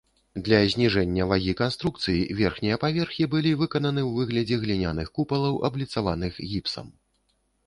Для зніжэння вагі канструкцый, верхнія паверхі былі выкананы ў выглядзе гліняных купалаў, абліцаваных гіпсам.